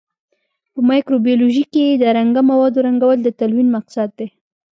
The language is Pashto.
په مایکروبیولوژي کې د رنګه موادو رنګول د تلوین مقصد دی.